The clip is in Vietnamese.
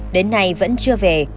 đến nay vẫn chưa về